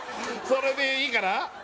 それでいいかな？